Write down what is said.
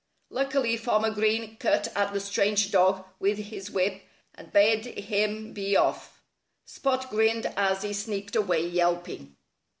Luckily Farmer Green cut at the strange dog with his whip and bade him be off. Spot grinned as he sneaked away, yelping.